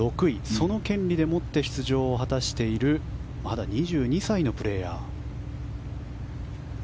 その権利で持って出場を果たしているまだ２２歳のプレーヤー。